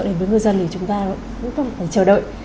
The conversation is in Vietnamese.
đến với ngư dân thì chúng ta cũng không phải chờ đợi